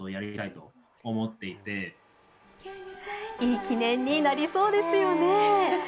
いい記念になりそうですよね。